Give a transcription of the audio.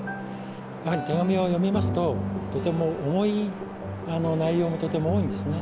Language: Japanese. やはり手紙を読みますと、とても重い内容もとてもおおいんですね